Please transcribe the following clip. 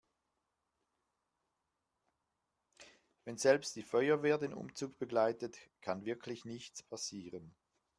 Wenn selbst die Feuerwehr den Umzug begleitet, kann wirklich nichts passieren.